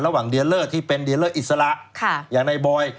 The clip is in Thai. ระหว่างเดียร์เลอร์ที่เป็นเดียร์เลอร์อิสระอย่างในบอย